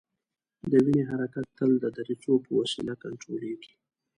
د وینې حرکت تل د دریڅو په وسیله کنترولیږي.